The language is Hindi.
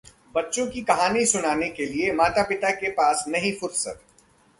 बच्चों को कहानी सुनाने के लिए माता-पिता के पास नहीं फुर्सत